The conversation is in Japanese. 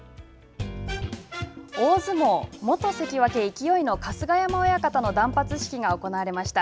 大相撲、元関脇・勢の春日山親方の断髪式が行われました。